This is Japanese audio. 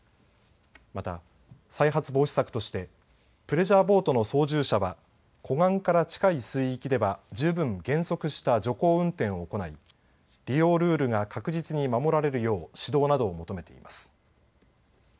また再発防止策としてプレジャーボートの操縦者は湖岸から近い水域では十分減速した徐行運転を行い利用ルールが確実に守られるよう指導などを求めています。